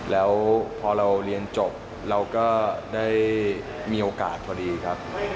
แล้วพอเราเรียนจบเราก็ได้มีโอกาสพอดีครับ